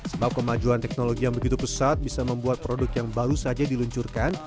sebab kemajuan teknologi yang begitu pesat bisa membuat produk yang baru saja diluncurkan